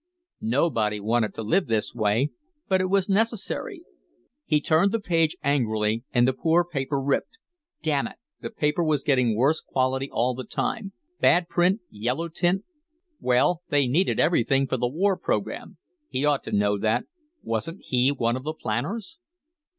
Nobody wanted to live this way, but it was necessary. He turned the page angrily and the poor paper ripped. Damn it, the paper was getting worse quality all the time, bad print, yellow tint Well, they needed everything for the war program. He ought to know that. Wasn't he one of the planners?